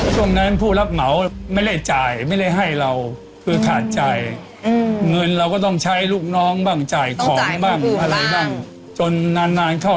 ช่วงนั้นผู้รับเหมาไม่ได้จ่ายไม่ได้ให้เราคือขาดจ่ายเงินเราก็ต้องใช้ลูกน้องบ้างจ่ายของบ้างอะไรบ้างจนนานนานเท่า